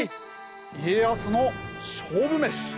家康の勝負メシ。